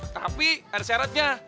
tapi ada syaratnya